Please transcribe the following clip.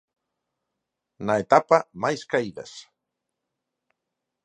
Na etapa, máis caídas.